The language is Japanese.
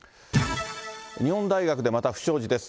日本大学でまた不祥事です。